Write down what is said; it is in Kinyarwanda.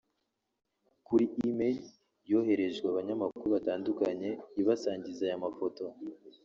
kuri ‘email’ yohererejwe abanyamakuru batandukanye ibasangiza aya mafoto